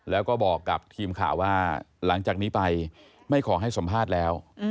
แล้วก็บอกกับทีมข่าวว่าหลังจากนี้ไปไม่ขอให้สัมภาษณ์แล้ว